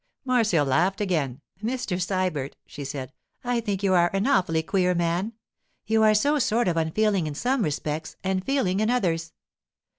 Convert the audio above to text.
Marcia laughed again. 'Mr. Sybert,' she said, 'I think you are an awfully queer man. You are so sort of unfeeling in some respects and feeling in others.